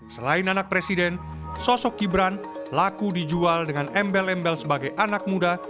selain anak presiden sosok gibran laku dijual dengan embel embel sebagai anak muda